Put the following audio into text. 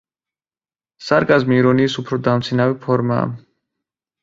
სარკაზმი ირონიის უფრო დამცინავი ფორმაა.